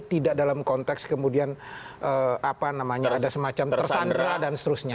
tidak dalam konteks kemudian apa namanya ada semacam tersandra dan seterusnya